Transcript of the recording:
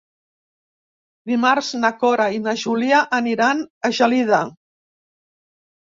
Dimarts na Cora i na Júlia aniran a Gelida.